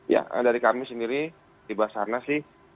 ya dari kami sendiri tiba sana sih